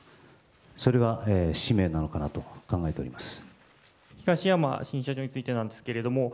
それが使命なのかなと考えております。